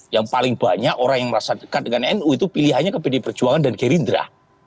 yang paling banyak orang yang merasa dekat dengan nu itu pilihannya ke pdi perjuangan dan gerindra